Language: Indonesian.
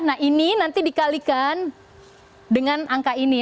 nah ini nanti dikalikan dengan angka ini